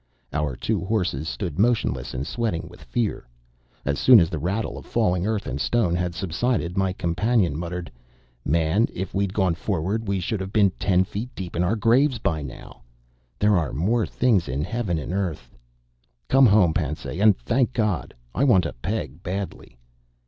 Our two horses stood motionless and sweating with fear. As soon as the rattle of falling earth and stone had subsided, my companion muttered: "Man, if we'd gone forward we should have been ten feet deep in our graves by now. 'There are more things in heaven and earth.'... Come home, Pansay, and thank God. I want a peg badly."